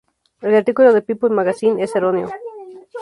El artículo de "People Magazine" es erróneo.